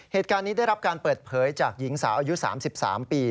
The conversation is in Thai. เหตุการณ์นี้ได้รับการเปิดเผยจากหญิงสาวอายุ๓๓ปี